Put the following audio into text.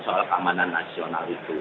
soal keamanan nasional itu